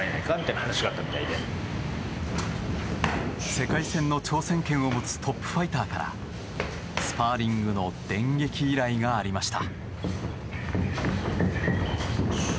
世界戦の挑戦権を持つトップファイターからスパーリングの電撃依頼がありました。